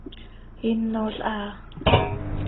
¡Hinol haa!